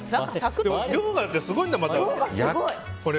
量があってすごいんだ。